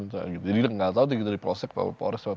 jadi tidak tahu dari prosek polres pola